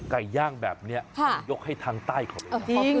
ไก่ย่างแบบนี้ยกให้ทางใต้เขาเลยนะจริง